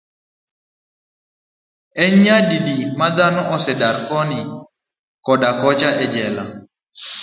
En nyadidi ma dhano osedar koni koda kocha e jela.